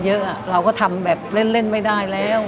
เยอะเราก็ทำแบบเล่นไม่ได้แล้ว